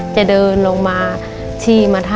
จะเดินลงมาชีวิต